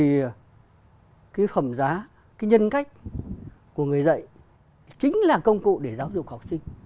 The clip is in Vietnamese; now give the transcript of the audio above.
thì cái phẩm giá cái nhân cách của người dạy chính là công cụ để giáo dục học sinh